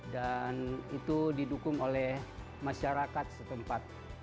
dan itu didukung oleh masyarakat setempat